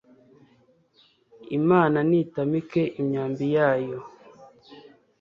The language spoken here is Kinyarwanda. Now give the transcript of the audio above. Imana nitamike imyambi yayo